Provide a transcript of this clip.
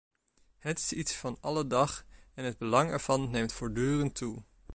Het is iets van alledag en het belang ervan neemt voortdurend toe.